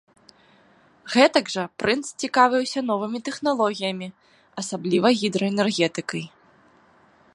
Гэтак жа прынц цікавіўся новымі тэхналогіямі, асабліва гідраэнергетыкай.